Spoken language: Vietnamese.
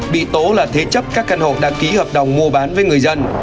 bị tố là thế chấp các căn hộ đã ký hợp đồng mua bán với người dân